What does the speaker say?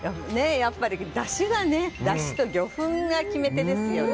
やっぱり、だしと魚粉が決め手ですよね。